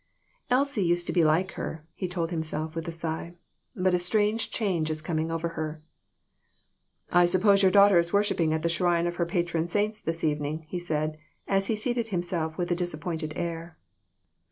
"Elsie used to be like her," he told himself, with a sigh; "but a strange change is coming over her." " I suppose your daughter is worshiping at the shrine of her patron saints this evening," he said, as he seated himself with a disappointed air.